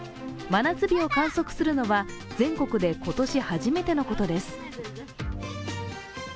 真夏日を観測するのは全国で今年初めてのことです。